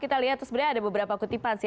kita lihat sebenarnya ada beberapa kutipan sih